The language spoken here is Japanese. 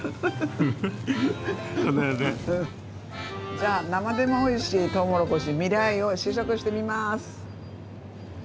じゃあ生でもおいしいトウモロコシ味来を試食してみます。